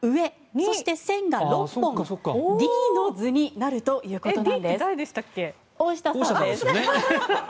そして、線が６本Ｄの図になるということですね。